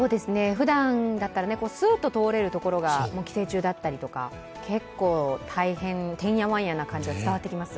ふだんだったらスーッと通れるところが規制中だったり結構大変、てんやわんやな感じが伝わってきます。